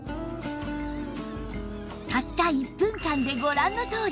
たった１分間でご覧のとおり